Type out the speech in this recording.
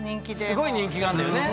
すごい人気があんだよね？